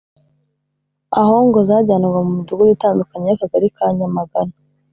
aho ngo zajyanwaga mu midugudu itandukanye y’Akagari ka Nyamagana